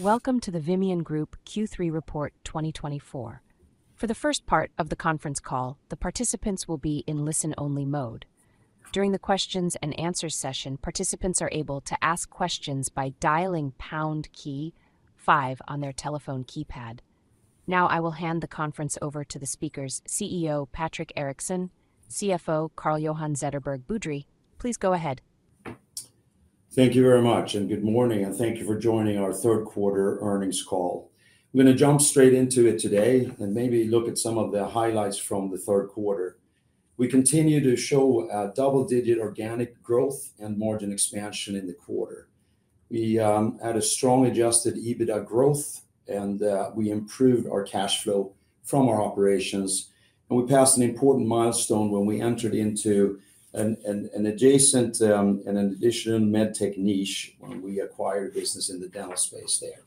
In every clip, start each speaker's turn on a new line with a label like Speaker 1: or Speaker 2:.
Speaker 1: Welcome to the Vimian Group Q3 report 2024. For the first part of the conference call, the participants will be in listen-only mode. During the questions and answers session, participants are able to ask questions by dialing pound key five on their telephone keypad. Now, I will hand the conference over to the speakers, CEO Patrik Eriksson, CFO Carl-Johan Zetterberg Boudrie, please go ahead.
Speaker 2: Thank you very much, and good morning, and thank you for joining our third quarter earnings call. I'm gonna jump straight into it today and maybe look at some of the highlights from the third quarter. We continue to show double-digit organic growth and margin expansion in the quarter. We had a strong Adjusted EBITDA growth, and we improved our cash flow from our operations. And we passed an important milestone when we entered into an adjacent and an additional MedTech niche when we acquired business in the dental space there.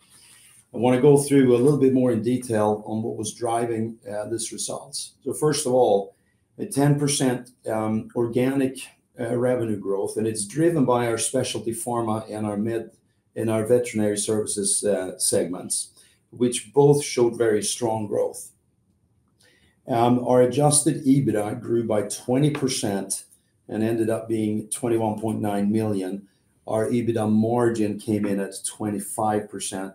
Speaker 2: I want to go through a little bit more in detail on what was driving these results. So first of all, a 10% organic revenue growth, and it's driven by our Specialty Pharma and our MedTech and our Veterinary Services segments, which both showed very strong growth. Our Adjusted EBITDA grew by 20% and ended up being 21.9 million. Our EBITDA margin came in at 25%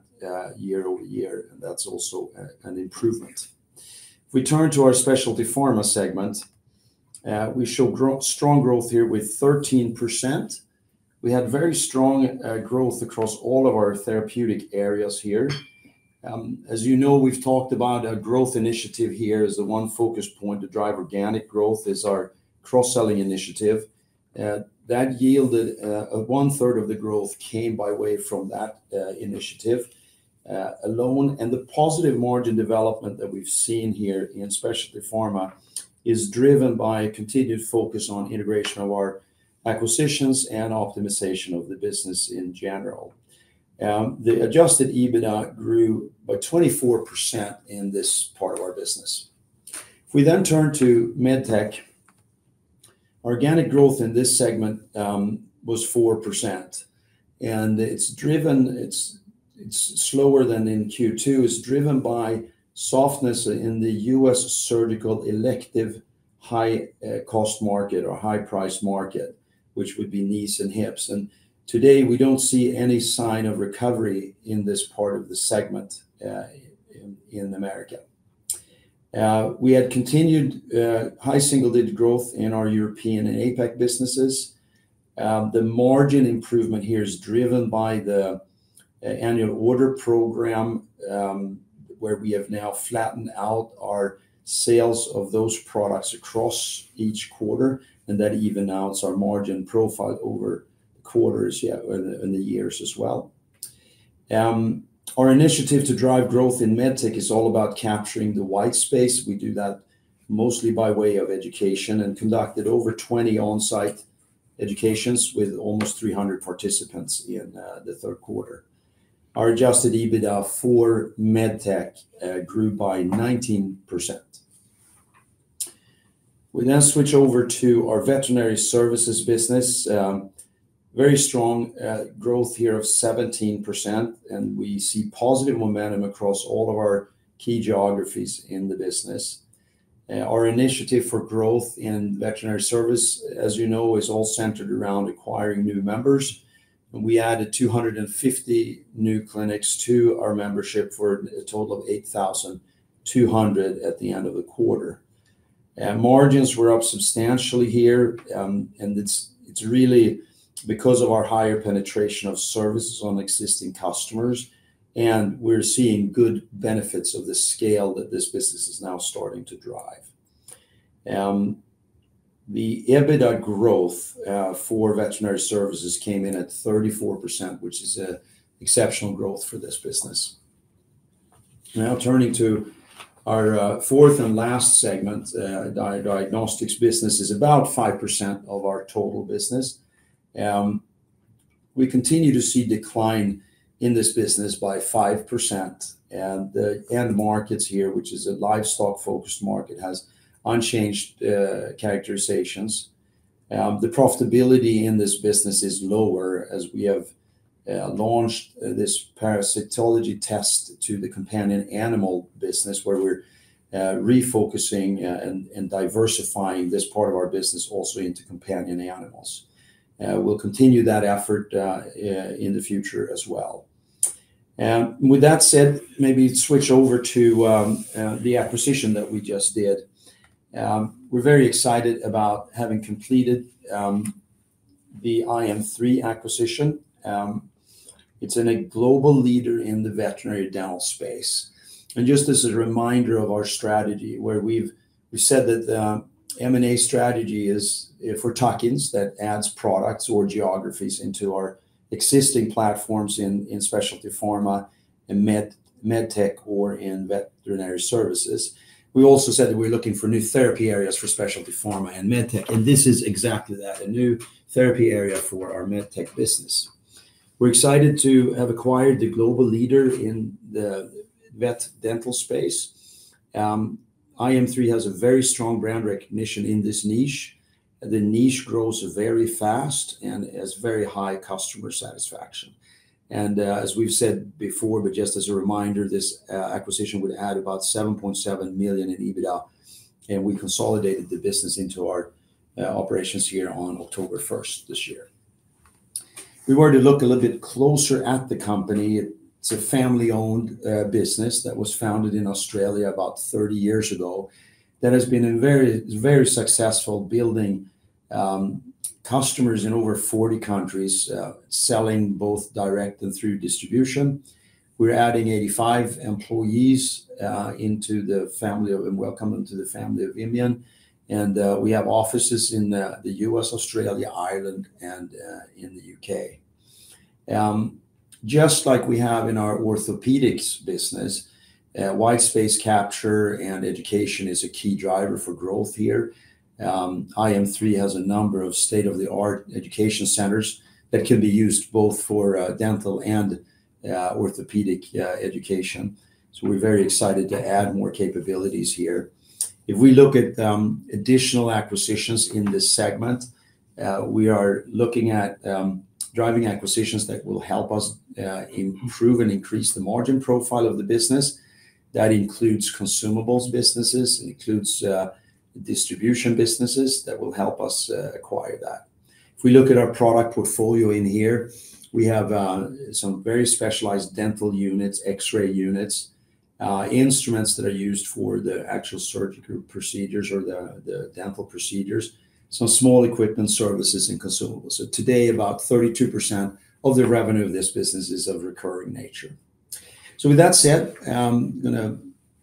Speaker 2: year-over-year, and that's also an improvement. If we turn to our Specialty Pharma segment, we show strong growth here with 13%. We had very strong growth across all of our therapeutic areas here. As you know, we've talked about a growth initiative here as the one focus point to drive organic growth is our cross-selling initiative. That yielded a 1/3 of the growth came by way from that initiative alone. And the positive margin development that we've seen here in Specialty Pharma is driven by continued focus on integration of our acquisitions and optimization of the business in general. The Adjusted EBITDA grew by 24% in this part of our business. If we then turn to MedTech, organic growth in this segment was 4%, and it's slower than in Q2. It's driven by softness in the U.S. surgical elective high cost market or high price market, which would be knees and hips. Today, we don't see any sign of recovery in this part of the segment in America. We had continued high single-digit growth in our European and APAC businesses. The margin improvement here is driven by the Annual Order Program, where we have now flattened out our sales of those products across each quarter, and that even out our margin profile over quarters, yeah, in the years as well. Our initiative to drive growth in MedTech is all about capturing the white space. We do that mostly by way of education and conducted over 20 on-site educations with almost 300 participants in the third quarter. Our Adjusted EBITDA for MedTech grew by 19%. We now switch over to our Veterinary Services business. Very strong growth here of 17%, and we see positive momentum across all of our key geographies in the business. Our initiative for growth in Veterinary Services, as you know, is all centered around acquiring new members, and we added 250 new clinics to our membership for a total of 8,200 at the end of the quarter. Margins were up substantially here, and it's really because of our higher penetration of services on existing customers, and we're seeing good benefits of the scale that this business is now starting to drive. The EBITDA growth for Veterinary Services came in at 34%, which is an exceptional growth for this business. Now, turning to our fourth and last segment, Diagnostics business is about 5% of our total business. We continue to see decline in this business by 5%, and the end markets here, which is a livestock-focused market, has unchanged characterizations. The profitability in this business is lower as we have launched this parasitology test to the companion animal business, where we're refocusing and diversifying this part of our business also into companion animals. We'll continue that effort in the future as well. And with that said, maybe switch over to the acquisition that we just did. We're very excited about having completed the iM3 acquisition. It's a global leader in the veterinary dental space. Just as a reminder of our strategy, we said that our M&A strategy is one that adds products or geographies into our existing platforms in Specialty Pharma and MedTech or in Veterinary Services. We also said that we're looking for new therapy areas for Specialty Pharma and MedTech, and this is exactly that, a new therapy area for our MedTech business. We're excited to have acquired the global leader in the vet dental space. iM3 has a very strong brand recognition in this niche. The niche grows very fast and has very high customer satisfaction. And, as we've said before, but just as a reminder, this acquisition would add about 7.7 million in EBITDA, and we consolidated the business into our operations here on October first this year. If we were to look a little bit closer at the company, it's a family-owned business that was founded in Australia about 30 years ago, that has been a very, very successful building. Customers in over 40 countries, selling both direct and through distribution. We're adding 85 employees into the family and welcome them to the family of Vimian, and we have offices in the U.S., Australia, Ireland, and in the U.K. Just like we have in our orthopedics business, white space capture and education is a key driver for growth here. iM3 has a number of state-of-the-art education centers that can be used both for dental and orthopedic education. So we're very excited to add more capabilities here. If we look at additional acquisitions in this segment, we are looking at driving acquisitions that will help us improve and increase the margin profile of the business. That includes consumables businesses, it includes distribution businesses that will help us acquire that. If we look at our product portfolio in here, we have some very specialized dental units, X-ray units, instruments that are used for the actual surgical procedures or the dental procedures, some small equipment, services, and consumables. So today, about 32% of the revenue of this business is of recurring nature. So with that said, I'm gonna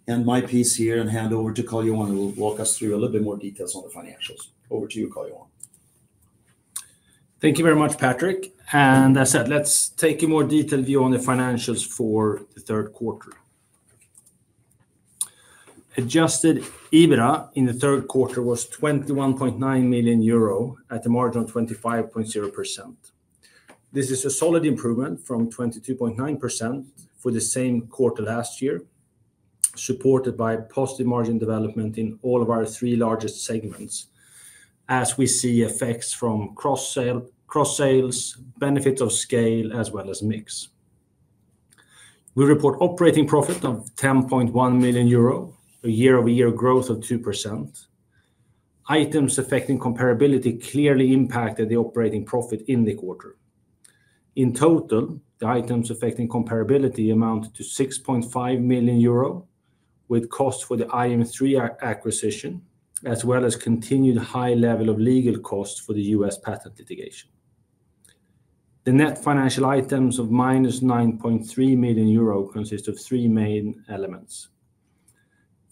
Speaker 2: end my piece here and hand over to Carl-Johan, who will walk us through a little bit more details on the financials. Over to you, Carl-Johan.
Speaker 3: Thank you very much, Patrik. As said, let's take a more detailed view on the financials for the third quarter. Adjusted EBITDA in the third quarter was 21.9 million euro, at a margin of 25.0%. This is a solid improvement from 22.9% for the same quarter last year, supported by positive margin development in all of our three largest segments, as we see effects from cross sales, benefits of scale, as well as mix. We report operating profit of 10.1 million euro, a year-over-year growth of 2%. Items affecting comparability clearly impacted the operating profit in the quarter. In total, the items affecting comparability amounted to 6.5 million euro, with costs for the iM3 acquisition, as well as continued high level of legal costs for the U.S. patent litigation. The net financial items of -9.3 million euro consist of three main elements: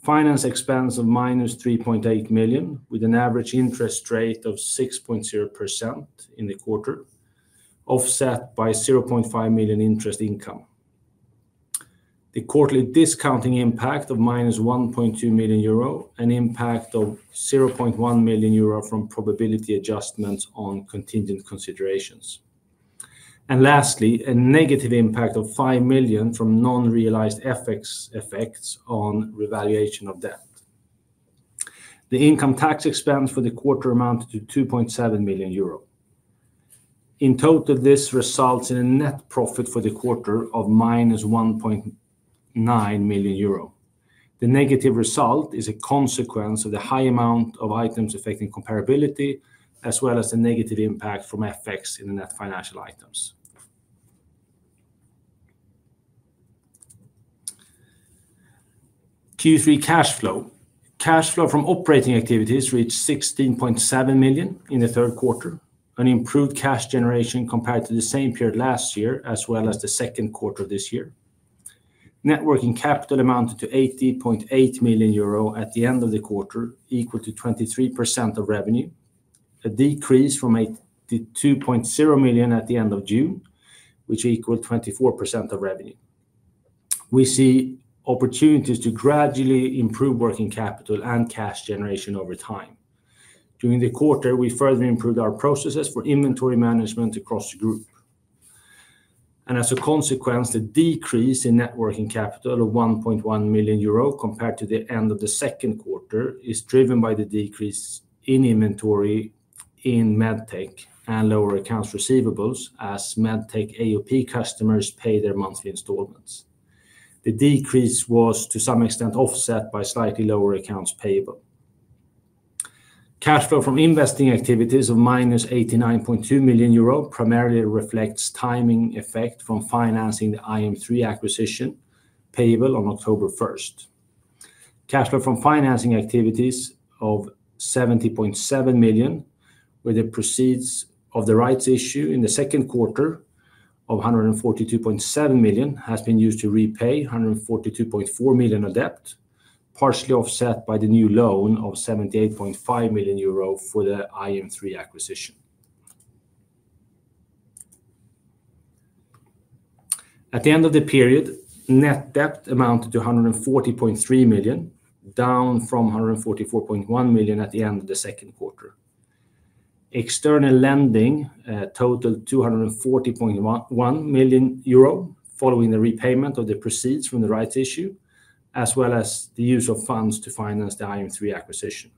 Speaker 3: finance expense of -3.8 million, with an average interest rate of 6.0% in the quarter, offset by 0.5 million interest income. The quarterly discounting impact of -1.2 million euro, an impact of 0.1 million euro from probability adjustments on contingent considerations. And lastly, a negative impact of 5 million from non-realized FX effects on revaluation of debt. The income tax expense for the quarter amounted to 2.7 million euro. In total, this results in a net profit for the quarter of -1.9 million euro. The negative result is a consequence of the high amount of items affecting comparability, as well as the negative impact from FX in the net financial items. Q3 cash flow. Cash flow from operating activities reached 16.7 million in the third quarter, an improved cash generation compared to the same period last year, as well as the second quarter of this year. Net working capital amounted to 80.8 million euro at the end of the quarter, equal to 23% of revenue, a decrease from 82.0 million at the end of June, which equaled 24% of revenue. We see opportunities to gradually improve working capital and cash generation over time. During the quarter, we further improved our processes for inventory management across the group. And as a consequence, the decrease in net working capital of 1.1 million euro compared to the end of the second quarter is driven by the decrease in inventory in MedTech and lower accounts receivable, as MedTech AOP customers pay their monthly installments. The decrease was, to some extent, offset by slightly lower accounts payable. Cash flow from investing activities of -89.2 million euro, primarily reflects timing effect from financing the iM3 acquisition, payable on October first. Cash flow from financing activities of 70.7 million, where the proceeds of the rights issue in the second quarter of 142.7 million, has been used to repay 142.4 million of debt, partially offset by the new loan of 78.5 million euro for the iM3 acquisition. At the end of the period, net debt amounted to 140.3 million, down from 144.1 million at the end of the second quarter. External lending totaled 240.11 million euro, following the repayment of the proceeds from the rights issue, as well as the use of funds to finance the iM3 acquisition.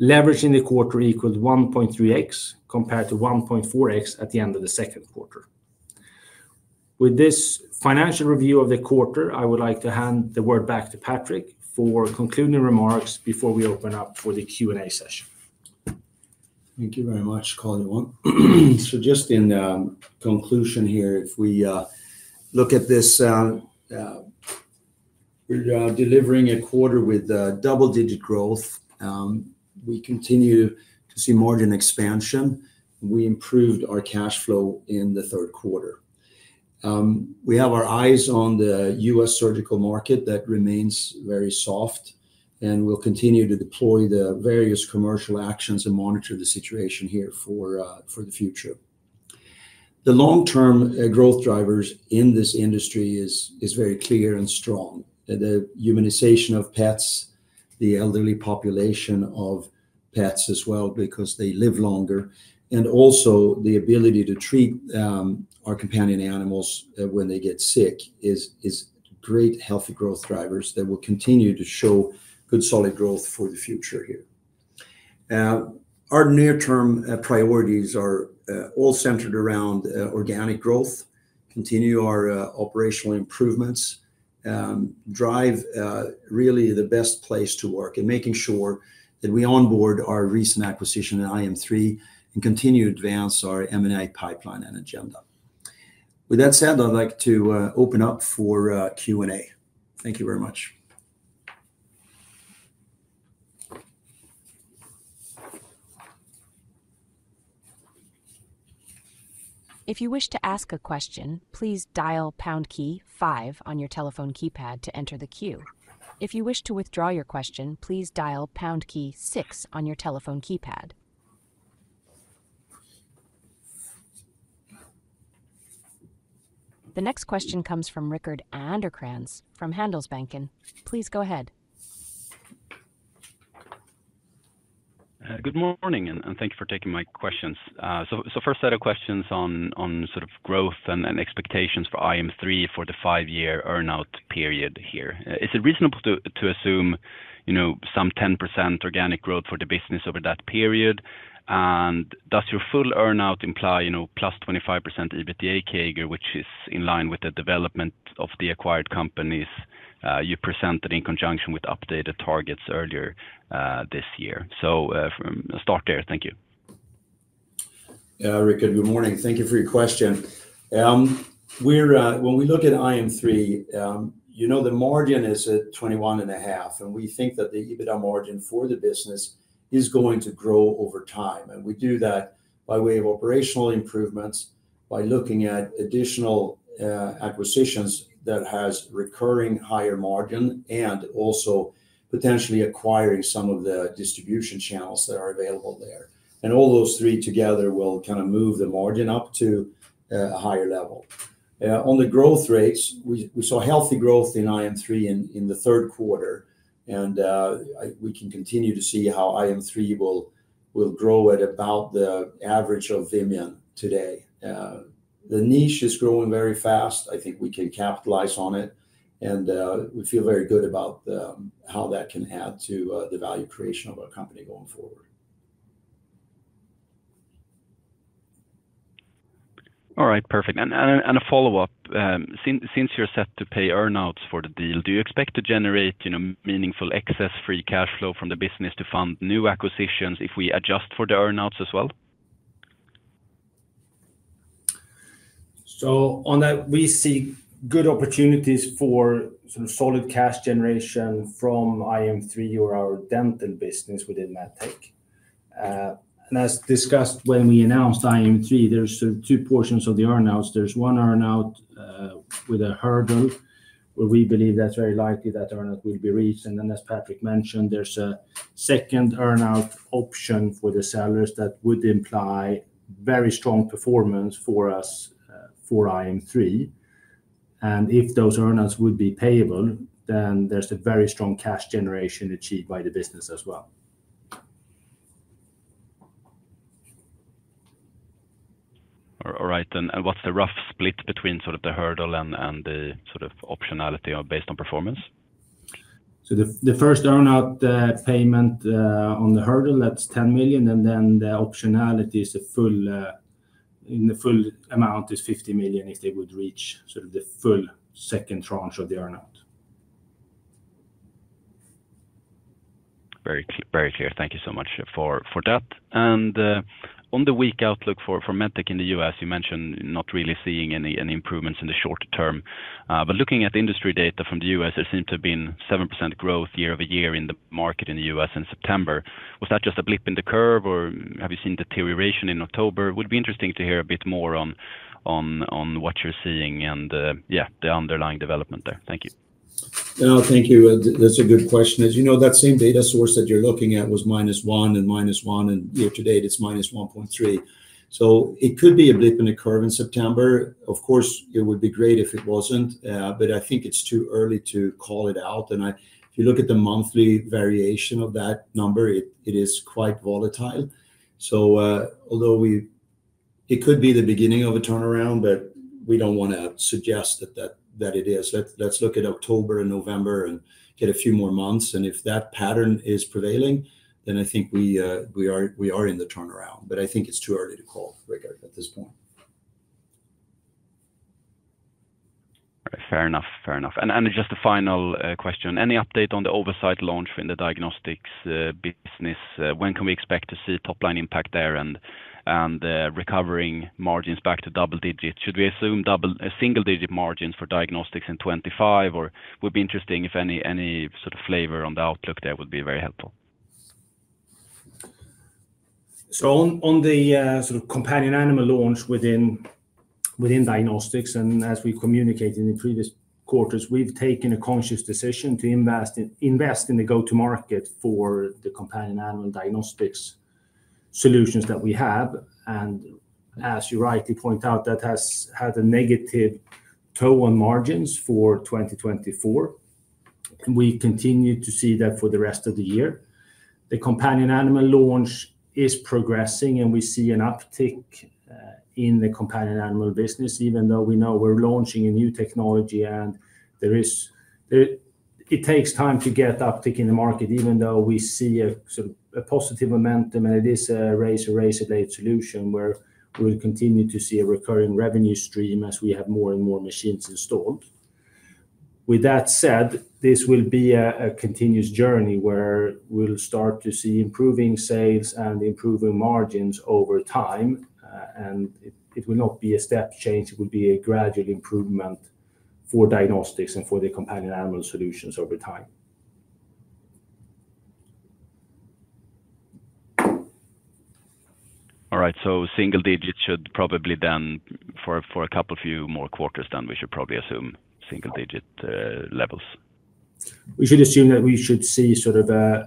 Speaker 3: Leveraging the quarter equaled 1.3x, compared to 1.4x at the end of the second quarter. With this financial review of the quarter, I would like to hand the word back to Patrik for concluding remarks before we open up for the Q&A session.
Speaker 2: Thank you very much, Carl-Johan. So just in conclusion here, if we look at this, we're delivering a quarter with double-digit growth. We continue to see margin expansion. We improved our cash flow in the third quarter. We have our eyes on the U.S. surgical market that remains very soft, and we'll continue to deploy the various commercial actions and monitor the situation here for the future. The long-term growth drivers in this industry is very clear and strong. The humanization of pets, the elderly population of pets as well, because they live longer, and also the ability to treat our companion animals when they get sick, is great healthy growth drivers that will continue to show good, solid growth for the future here. Our near-term priorities are all centered around organic growth, continue our operational improvements, drive really the best place to work and making sure that we onboard our recent acquisition in iM3 and continue to advance our M&A pipeline and agenda. With that said, I'd like to open up for Q&A. Thank you very much.
Speaker 1: If you wish to ask a question, please dial pound key five on your telephone keypad to enter the queue. If you wish to withdraw your question, please dial pound key six on your telephone keypad. The next question comes from Rickard Anderkrans from Handelsbanken. Please go ahead.
Speaker 4: Good morning, and thank you for taking my questions. So, first set of questions on sort of growth and expectations for iM3 for the five-year earn-out period here. Is it reasonable to assume, you know, some 10% organic growth for the business over that period? And does your full earn-out imply, you know, +25% EBITDA CAGR, which is in line with the development of the acquired companies, you presented in conjunction with updated targets earlier, this year? So, let's start there. Thank you.
Speaker 2: Rickard, good morning. Thank you for your question. We're, when we look at iM3, you know, the margin is at 21.5%, and we think that the EBITDA margin for the business is going to grow over time. We do that by way of operational improvements, by looking at additional acquisitions that has recurring higher margin, and also potentially acquiring some of the distribution channels that are available there. All those three together will kind of move the margin up to a higher level. On the growth rates, we saw healthy growth in iM3 in the third quarter, and we can continue to see how iM3 will grow at about the average of Vimian today. The niche is growing very fast. I think we can capitalize on it, and we feel very good about how that can add to the value creation of our company going forward.
Speaker 4: All right, perfect. And a follow-up, since you're set to pay earn-outs for the deal, do you expect to generate, you know, meaningful excess free cash flow from the business to fund new acquisitions if we adjust for the earn-outs as well?
Speaker 3: So on that, we see good opportunities for some solid cash generation from iM3 or our dental business within MedTech. And as discussed, when we announced iM3, there's two portions of the earn-outs. There's one earn-out with a hurdle, where we believe that's very likely that earn-out will be reached. And then, as Patrik mentioned, there's a second earn-out option for the sellers that would imply very strong performance for us for iM3. And if those earn-outs would be payable, then there's a very strong cash generation achieved by the business as well.
Speaker 4: All right, then. And what's the rough split between sort of the hurdle and the sort of optionality based on performance?
Speaker 3: The first earn-out payment on the hurdle, that's 10 million, and then the optionality is a full in the full amount is 50 million, if they would reach sort of the full second tranche of the earn-out.
Speaker 4: Very clear. Thank you so much for that. On the weak outlook for MedTech in the U.S., you mentioned not really seeing any improvements in the short term. But looking at the industry data from the U.S., there seemed to have been 7% growth year-over-year in the market in the U.S. in September. Was that just a blip in the curve, or have you seen deterioration in October? It would be interesting to hear a bit more on what you're seeing and yeah, the underlying development there. Thank you.
Speaker 2: No, thank you. That's a good question. As you know, that same data source that you're looking at was minus one and minus one, and year to date, it's minus one point three. So it could be a blip in the curve in September. Of course, it would be great if it wasn't, but I think it's too early to call it out, and if you look at the monthly variation of that number, it is quite volatile. So, although it could be the beginning of a turnaround, but we don't wanna suggest that it is. Let's look at October and November and get a few more months, and if that pattern is prevailing, then I think we are in the turnaround. But I think it's too early to call, Rick, at this point.
Speaker 4: All right, fair enough. Fair enough. And just a final question: any update on the OvaCyte launch in the Diagnostics business? When can we expect to see top-line impact there and recovering margins back to double digits? Should we assume single-digit margins for Diagnostics in 2025, or would be interesting if any sort of flavor on the outlook there would be very helpful?
Speaker 3: On the sort of companion animal launch within Diagnostics, and as we communicated in previous quarters, we've taken a conscious decision to invest in the go-to market for the companion animal Diagnostics solutions that we have. As you rightly point out, that has had a negative toll on margins for 2024, and we continue to see that for the rest of the year. The companion animal launch is progressing, and we see an uptick in the companion animal business, even though we know we're launching a new technology and it takes time to get uptick in the market, even though we see a sort of positive momentum, and it is a razor-blade solution, where we'll continue to see a recurring revenue stream as we have more and more machines installed. With that said, this will be a continuous journey, where we'll start to see improving sales and improving margins over time, and it will not be a step change. It will be a gradual improvement for Diagnostics and for the companion animal solutions over time.
Speaker 4: All right, so single digits should probably then, for a couple few more quarters then, we should probably assume single digit levels?
Speaker 3: We should assume that we should see sort of a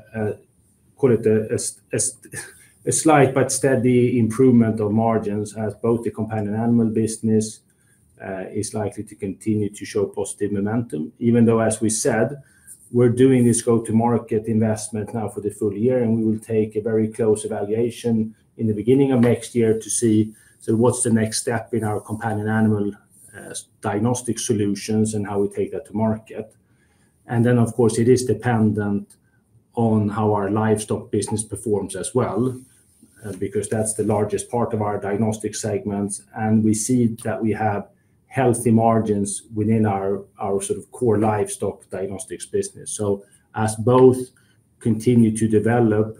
Speaker 3: slight but steady improvement of margins as both the companion animal business is likely to continue to show positive momentum. Even though, as we said, we're doing this go-to market investment now for the full-year, and we will take a very close evaluation in the beginning of next year to see, so what's the next step in our companion animal diagnostic solutions and how we take that to market. Then, of course, it is dependent on how our livestock business performs as well, because that's the largest part of our diagnostic segments, and we see that we have healthy margins within our sort of core livestock Diagnostics business. So as both continue to develop,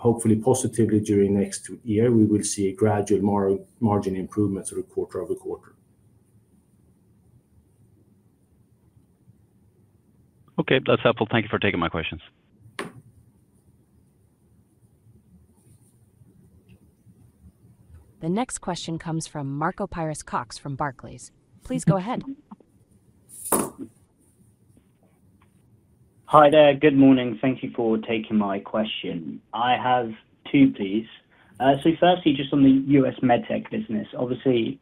Speaker 3: hopefully positively during next year, we will see a gradual margin improvement sort of quarter-over-quarter.
Speaker 4: Okay, that's helpful. Thank you for taking my questions.
Speaker 1: The next question comes from Marco Pires-Cox from Barclays. Please go ahead.
Speaker 5: Hi there. Good morning. Thank you for taking my question. I have two, please. So firstly, just on the U.S. MedTech business, obviously,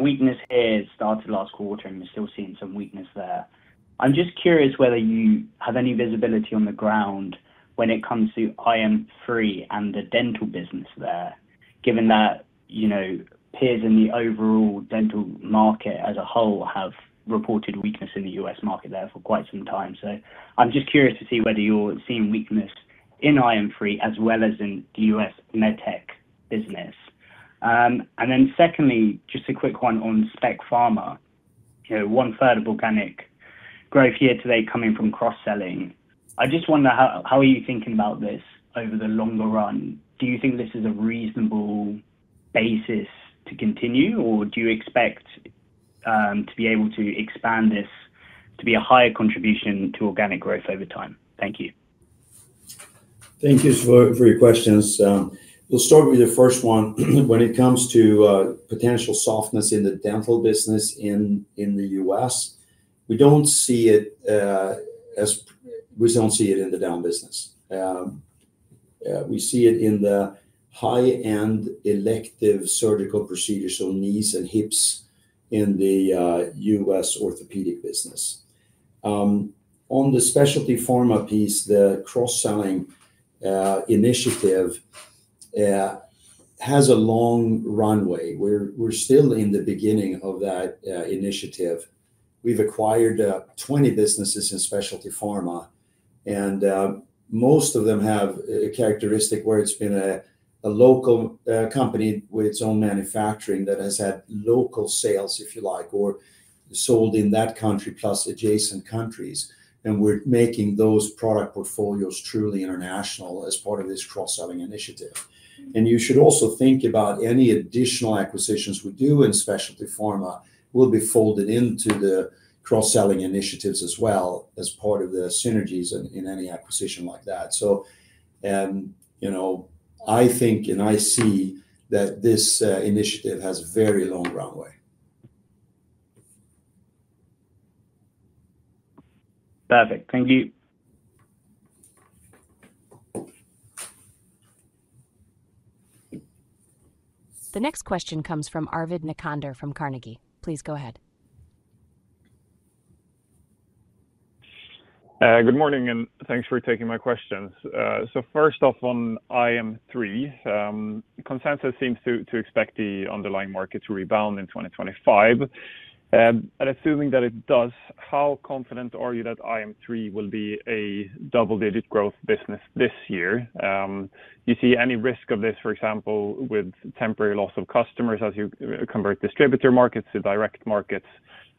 Speaker 5: weakness here started last quarter, and we're still seeing some weakness there. I'm just curious whether you have any visibility on the ground when it comes to iM3 and the dental business there, given that, you know, peers in the overall dental market as a whole have reported weakness in the U.S. market there for quite some time. So I'm just curious to see whether you're seeing weakness in iM3 as well as in the U.S. MedTech business. And then secondly, just a quick one on Specialty Pharma. You know, 1/3 of organic growth year to date coming from cross-selling. I just wonder, how are you thinking about this over the longer run? Do you think this is a reasonable basis to continue, or do you expect to be able to expand this to be a higher contribution to organic growth over time? Thank you.
Speaker 2: Thank you for your questions. We'll start with the first one. When it comes to potential softness in the dental business in the U.S., we don't see it as... We don't see it in the dental business. We see it in the high-end elective surgical procedures, so knees and hips in the U.S. orthopedic business. On the Specialty Pharma piece, the cross-selling initiative has a long runway. We're still in the beginning of that initiative. We've acquired 20 businesses in Specialty Pharma, and most of them have a characteristic where it's been a local company with its own manufacturing that has had local sales, if you like, or sold in that country, plus adjacent countries, and we're making those product portfolios truly international as part of this cross-selling initiative. You should also think about any additional acquisitions we do in Specialty Pharma will be folded into the cross-selling initiatives as well as part of the synergies in any acquisition like that. You know, I think, and I see that this initiative has a very long runway.
Speaker 5: Perfect. Thank you.
Speaker 1: The next question comes from Arvid Necander from Carnegie. Please go ahead. ...
Speaker 6: Good morning, and thanks for taking my questions. So first off, on iM3, consensus seems to expect the underlying market to rebound in 2025. And assuming that it does, how confident are you that iM3 will be a double-digit growth business this year? You see any risk of this, for example, with temporary loss of customers as you convert distributor markets to direct markets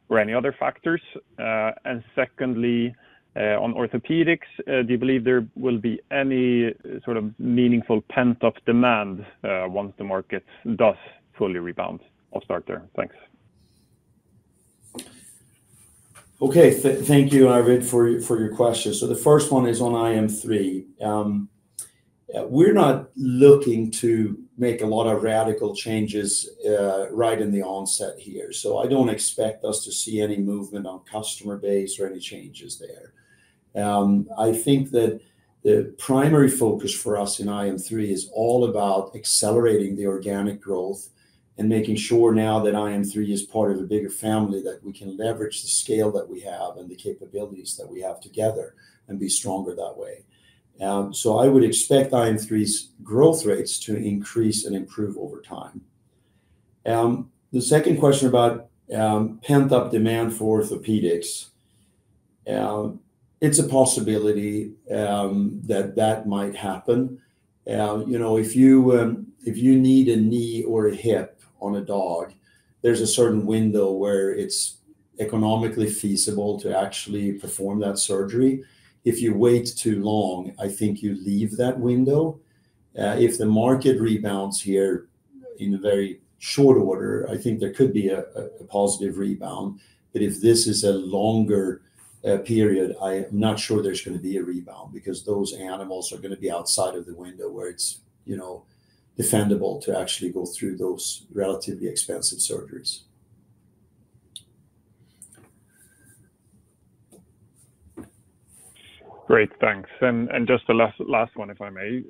Speaker 6: or any other factors? And secondly, on orthopedics, do you believe there will be any sort of meaningful pent-up demand once the market does fully rebound? I'll start there. Thanks.
Speaker 2: Okay, thank you, Arvid, for your question. So the first one is on iM3. We're not looking to make a lot of radical changes right in the onset here. So I don't expect us to see any movement on customer base or any changes there. I think that the primary focus for us in iM3 is all about accelerating the organic growth and making sure now that iM3 is part of a bigger family, that we can leverage the scale that we have and the capabilities that we have together and be stronger that way. So I would expect iM3's growth rates to increase and improve over time. The second question about pent-up demand for orthopedics, it's a possibility that that might happen. You know, if you need a knee or a hip on a dog, there's a certain window where it's economically feasible to actually perform that surgery. If you wait too long, I think you leave that window. If the market rebounds here in a very short order, I think there could be a positive rebound. But if this is a longer period, I am not sure there's gonna be a rebound, because those animals are gonna be outside of the window where it's, you know, defendable to actually go through those relatively expensive surgeries.
Speaker 6: Great, thanks. And just the last one, if I may.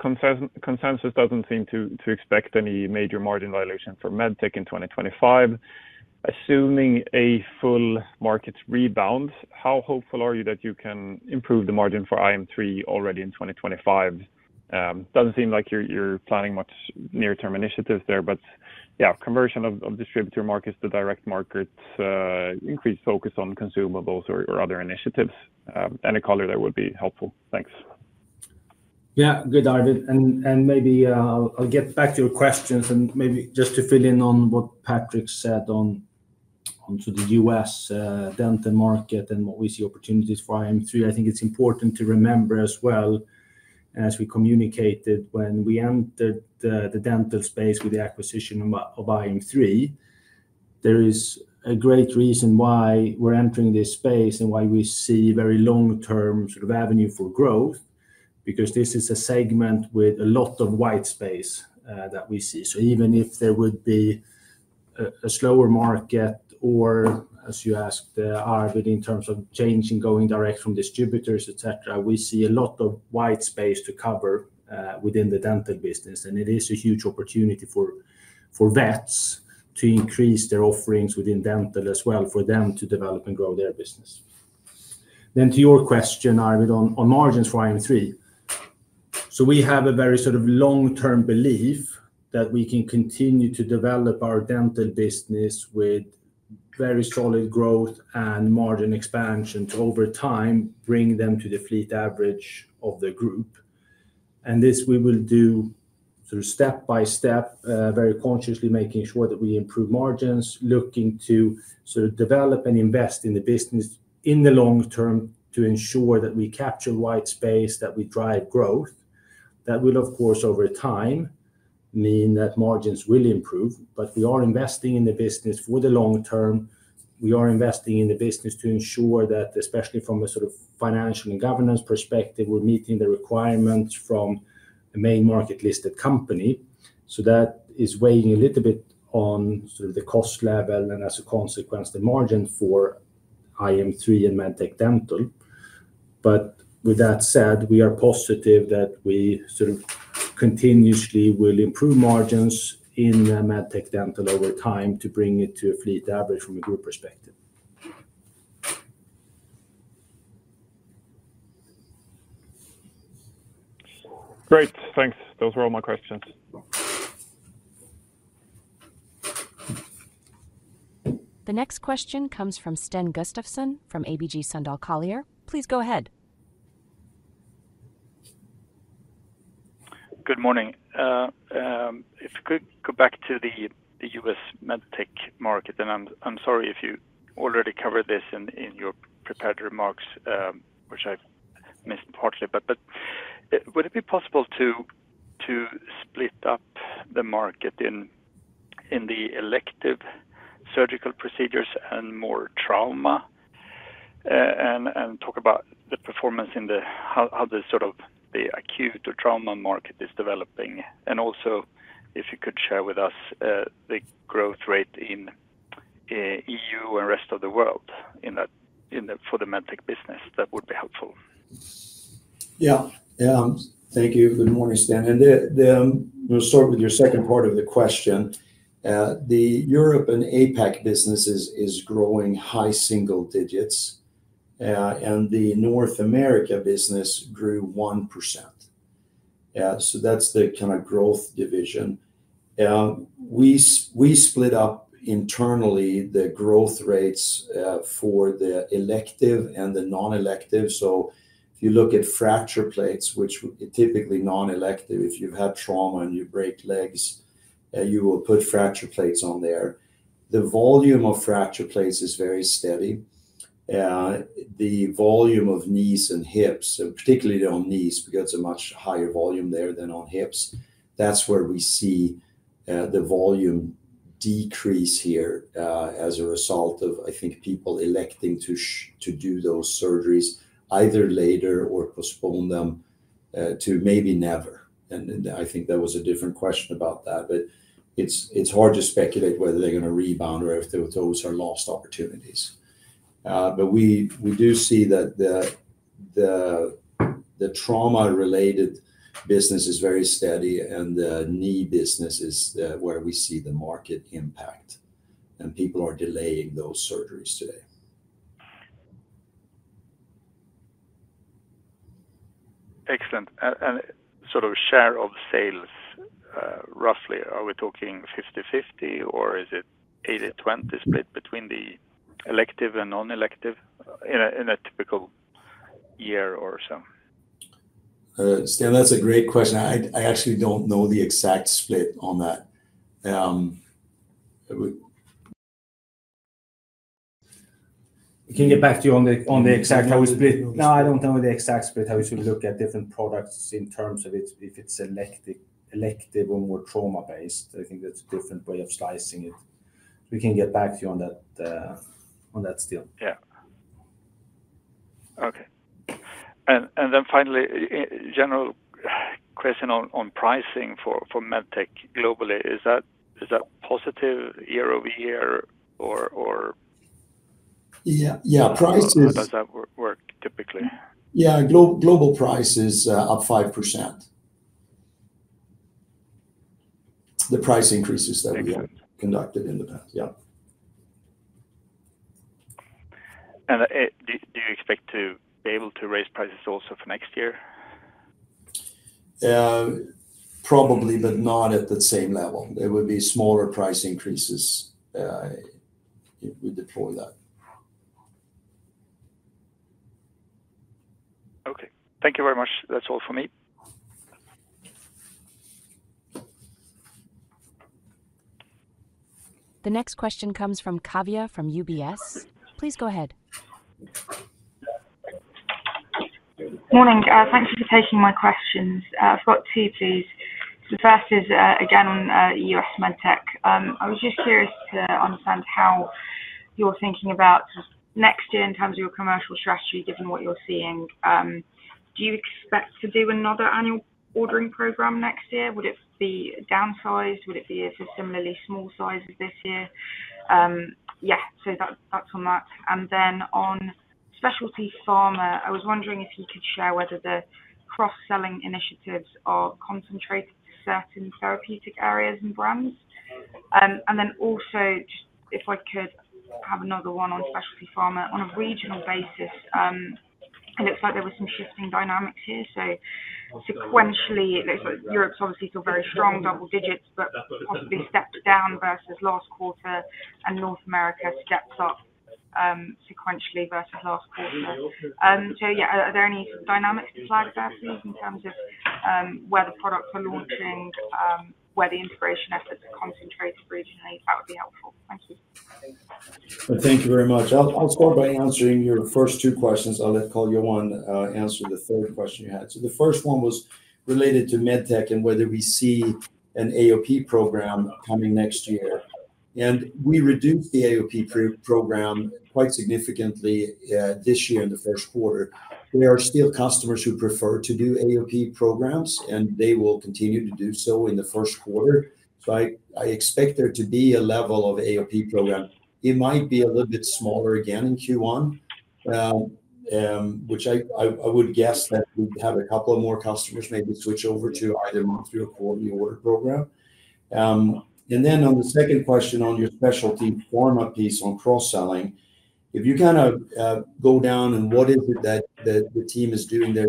Speaker 6: Consensus doesn't seem to expect any major margin violation for MedTech in 2025. Assuming a full market rebound, how hopeful are you that you can improve the margin for iM3 already in 2025? Doesn't seem like you're planning much near-term initiatives there, but yeah, conversion of distributor markets to direct markets, increased focus on consumables or other initiatives. Any color there would be helpful. Thanks.
Speaker 3: Yeah. Good, Arvid, and maybe I'll get back to your questions, and maybe just to fill in on what Patrik said onto the U.S. dental market and what we see opportunities for iM3. I think it's important to remember as well, as we communicated when we entered the dental space with the acquisition of iM3, there is a great reason why we're entering this space and why we see very long-term sort of avenue for growth, because this is a segment with a lot of white space that we see. So even if there would be a slower market, or as you asked, Arvid, in terms of changing, going direct from distributors, et cetera, we see a lot of white space to cover within the dental business, and it is a huge opportunity for vets to increase their offerings within dental as well, for them to develop and grow their business. Then to your question, Arvid, on margins for iM3. So we have a very sort of long-term belief that we can continue to develop our dental business with very solid growth and margin expansion to, over time, bring them to the fleet average of the group, and this we will do sort of step by step, very consciously making sure that we improve margins, looking to sort of develop and invest in the business in the long term to ensure that we capture white space, that we drive growth. That will, of course, over time, mean that margins will improve, but we are investing in the business for the long term. We are investing in the business to ensure that, especially from a sort of financial and governance perspective, we're meeting the requirements from a main market-listed company. So that is weighing a little bit on sort of the cost level, and as a consequence, the margin for iM3 and MedTech Dental. But with that said, we are positive that we sort of continuously will improve margins in, MedTech Dental over time to bring it to a fleet average from a group perspective.
Speaker 6: Great, thanks. Those were all my questions.
Speaker 1: The next question comes from Sten Gustafsson from ABG Sundal Collier. Please go ahead.
Speaker 7: Good morning. If you could go back to the U.S. MedTech market, and I'm sorry if you already covered this in your prepared remarks, which I've missed partially, but would it be possible to split up the market in the elective surgical procedures and more trauma, and talk about the performance in the how the sort of the acute or trauma market is developing? And also, if you could share with us the growth rate in EU and rest of the world in that for the MedTech business, that would be-...
Speaker 2: Yeah. Yeah, thank you. Good morning, Sten. And we'll start with your second part of the question. The Europe and APAC businesses is growing high single digits, and the North America business grew 1%. So that's the kind of growth division. We split up internally the growth rates for the elective and the non-elective. So if you look at fracture plates, which typically non-elective, if you've had trauma and you break legs, you will put fracture plates on there. The volume of fracture plates is very steady. The volume of knees and hips, and particularly on knees, we get a much higher volume there than on hips. That's where we see the volume decrease here as a result of, I think, people electing to do those surgeries either later or postpone them to maybe never. And I think there was a different question about that, but it's hard to speculate whether they're gonna rebound or if those are lost opportunities. But we do see that the trauma-related business is very steady, and the knee business is where we see the market impact, and people are delaying those surgeries today.
Speaker 7: Excellent. And sort of share of sales, roughly, are we talking 50/50, or is it 80/20 split between the elective and non-elective in a typical year or so?
Speaker 2: Sten, that's a great question. I actually don't know the exact split on that. We-
Speaker 3: We can get back to you on the exact how we split. No, I don't know the exact split, how we should look at different products in terms of it, if it's elective or more trauma-based. I think that's a different way of slicing it. We can get back to you on that, Sten.
Speaker 7: Yeah. Okay. And then finally, general question on pricing for MedTech globally. Is that positive year-over-year or-
Speaker 2: Yeah, yeah, prices-
Speaker 7: How does that work typically?
Speaker 2: Yeah, global price is up 5%. The price increases that we have conducted in the past. Yeah.
Speaker 7: Do you expect to be able to raise prices also for next year?
Speaker 2: Probably, but not at the same level. There would be smaller price increases, if we deploy that.
Speaker 7: Okay. Thank you very much. That's all for me.
Speaker 1: The next question comes from Kavya from UBS. Please go ahead. Morning. Thank you for taking my questions. I've got two, please. The first is, again, on U.S. MedTech. I was just curious to understand how you're thinking about next year in terms of your commercial strategy, given what you're seeing. Do you expect to do another annual ordering program next year? Would it be downsized? Would it be a similarly small size as this year? Yeah, so that's on that. And then on Specialty Pharma, I was wondering if you could share whether the cross-selling initiatives are concentrated to certain therapeutic areas and brands. And then also, if I could have another one on Specialty Pharma. On a regional basis, it looks like there was some shifting dynamics here. So sequentially, it looks like Europe's obviously still very strong, double digits, but possibly stepped down versus last quarter, and North America steps up, sequentially versus last quarter. So yeah, are there any dynamics to flag about these in terms of, where the products are launching, where the integration efforts are concentrated regionally? That would be helpful. Thank you.
Speaker 2: Thank you very much. I'll start by answering your first two questions. I'll let Carl-Johan answer the third question you had. So the first one was related to MedTech and whether we see an AOP program coming next year. And we reduced the AOP program quite significantly this year in the first quarter. There are still customers who prefer to do AOP programs, and they will continue to do so in the first quarter. So I expect there to be a level of AOP program. It might be a little bit smaller again in Q1, which I would guess that we'd have a couple of more customers maybe switch over to either monthly or quarterly order program. And then on the second question on your Specialty Pharma piece on cross-selling, if you kinda go down on what is it that the team is doing there,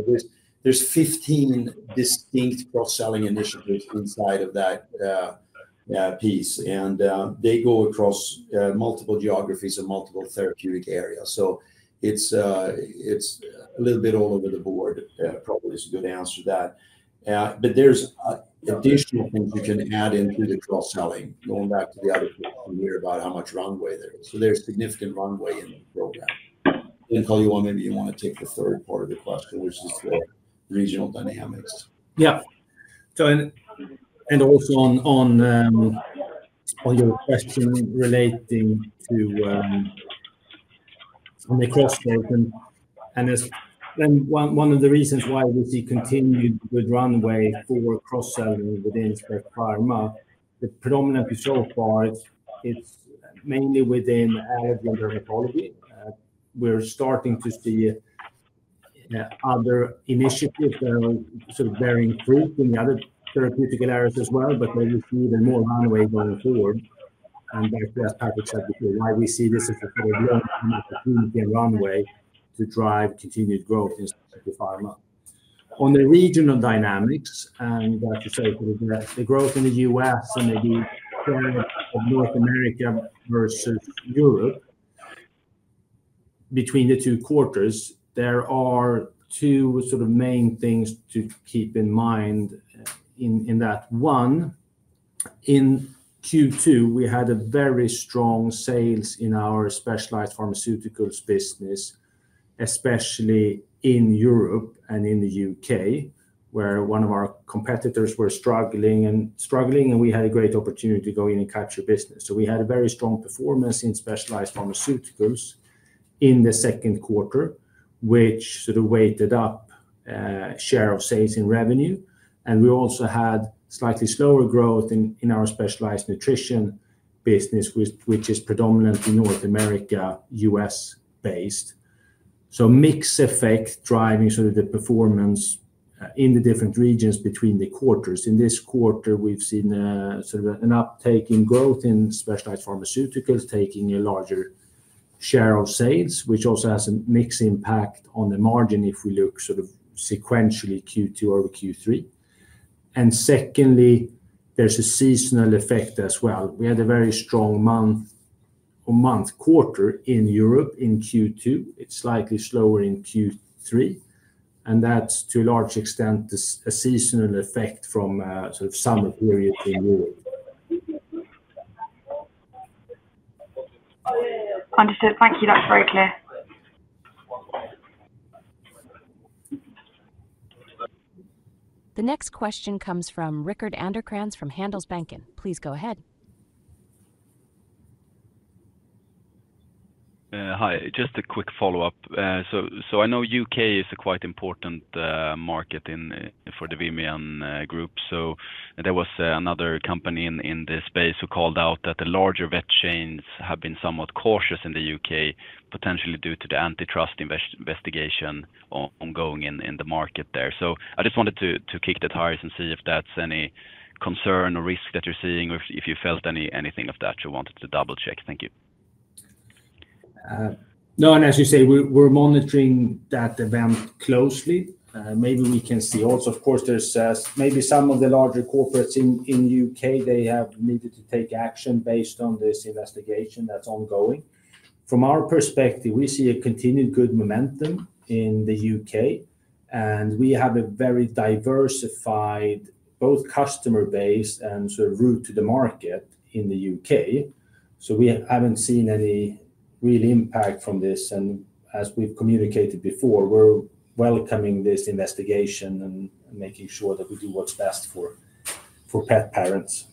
Speaker 2: there's 15 distinct cross-selling initiatives inside of that piece, and they go across multiple geographies and multiple therapeutic areas. So it's a little bit all over the board, probably is a good answer to that. But there's additional things you can add into the cross-selling, going back to the other question here about how much runway there is. So there's significant runway in the program. And Carl-Johan, maybe you want to take the third part of the question, which is the regional dynamics.
Speaker 3: Yeah. So, and also on your question relating to the cross-selling, then one of the reasons why we see continued good runway for cross-selling within Specialty Pharma, but predominantly so far, it's mainly within dermatology. We're starting to see other initiatives that are sort of bearing fruit in the other therapeutic areas as well, but where you see even more runway going forward. And like, as Patrik said before, why we see this as a sort of long opportunity and runway to drive continued growth in Specialty Pharma. On the regional dynamics, and like you say, the growth in the U.S. and North America versus Europe, between the two quarters, there are two sort of main things to keep in mind in that. One, in Q2, we had a very strong sales in our Specialized Pharmaceuticals business, especially in Europe and in the U.K., where one of our competitors were struggling and we had a great opportunity to go in and capture business. So we had a very strong performance in Specialized Pharmaceuticals in the second quarter, which sort of weighted up share of sales and revenue. And we also had slightly slower growth in our Specialized Nutrition business, which is predominantly North America, U.S.-based. So mix effect driving sort of the performance in the different regions between the quarters. In this quarter, we've seen sort of an uptake in growth in Specialized Pharmaceuticals, taking a larger share of sales, which also has a mix impact on the margin if we look sort of sequentially Q2 over Q3. And secondly, there's a seasonal effect as well. We had a very strong month-over-month quarter in Europe in Q2. It's slightly slower in Q3, and that's to a large extent a seasonal effect from sort of summer period in Europe. Understood. Thank you. That's very clear.
Speaker 1: The next question comes from Rickard Anderkrans from Handelsbanken. Please go ahead.
Speaker 4: Hi, just a quick follow-up. So, I know U.K. is a quite important market for the Vimian Group. So there was another company in this space who called out that the larger vet chains have been somewhat cautious in the U.K., potentially due to the antitrust investigation ongoing in the market there. So I just wanted to kick the tires and see if that's any concern or risk that you're seeing, or if you felt anything of that you wanted to double-check. Thank you.
Speaker 3: No, and as you say, we're monitoring that event closely. Maybe we can see also, of course, there's maybe some of the larger corporates in U.K., they have needed to take action based on this investigation that's ongoing. From our perspective, we see a continued good momentum in the U.K., and we have a very diversified, both customer base and sort of route to the market in the U.K. So we haven't seen any real impact from this, and as we've communicated before, we're welcoming this investigation and making sure that we do what's best for pet parents.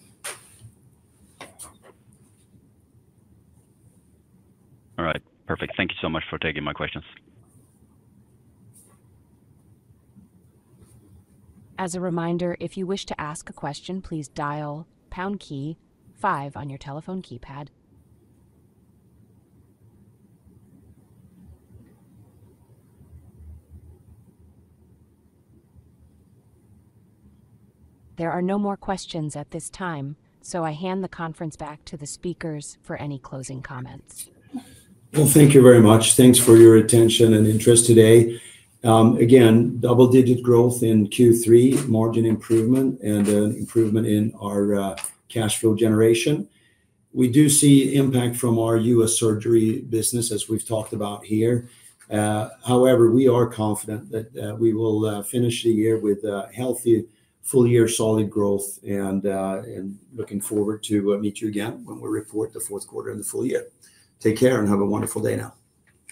Speaker 4: All right. Perfect. Thank you so much for taking my questions.
Speaker 1: As a reminder, if you wish to ask a question, please dial pound key five on your telephone keypad. There are no more questions at this time, so I hand the conference back to the speakers for any closing comments.
Speaker 2: Thank you very much. Thanks for your attention and interest today. Again, double-digit growth in Q3, margin improvement, and improvement in our cash flow generation. We do see impact from our U.S. surgery business, as we've talked about here. However, we are confident that we will finish the year with a healthy full-year solid growth, and looking forward to meet you again when we report the fourth quarter and the full-year. Take care, and have a wonderful day now.